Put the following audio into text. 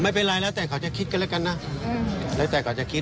ไม่เป็นไรแล้วแต่เขาจะคิดกันแล้วกันนะแล้วแต่เขาจะคิด